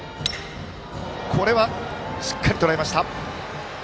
しっかりとらえました。